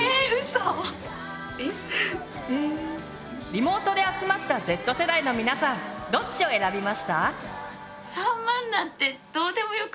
リモートで集まったＺ世代の皆さんどっちを選びました？